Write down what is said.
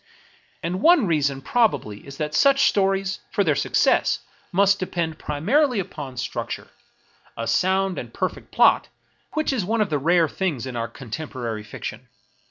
And one 13 American Mystery Stories reason probably is that such stories, for their success, must depend primarily upon structure — a sound and perfect plot — which IS one of the rare things in our contemporary fic tion.